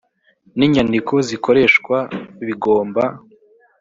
n inyandiko zikoreshwa bigomba